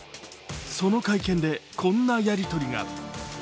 その会見でこんなやりとりが。